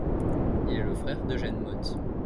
Il est le frère d'Eugène Motte.